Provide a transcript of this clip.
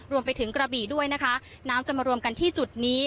รวมไปถึงกระบี่ด้วยนะคะน้ำจะมารวมกันที่จุดนี้